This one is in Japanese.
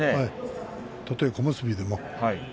たとえ小結でも。